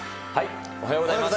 おはようございます。